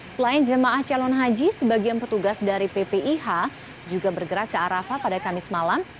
selain jemaah calon haji sebagian petugas dari ppih juga bergerak ke arafah pada kamis malam